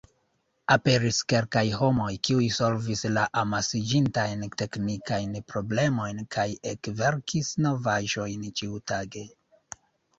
Aperis kelkaj homoj, kiuj solvis la amasiĝintajn teknikajn problemojn kaj ekverkis novaĵojn ĉiutage.